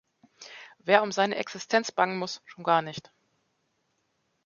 Wer um seine Existenz bangen muss, schon gar nicht.